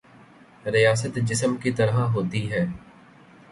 ریاست جسم کی طرح ہوتی ہے۔